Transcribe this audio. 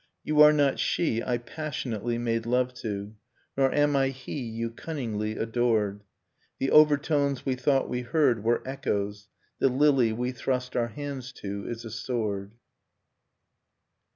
You are not she I passionately made love to, Nor am I he you cunningly adored. The overtones we thought we heard were echoes, The lily we thrust our hands to is a sword.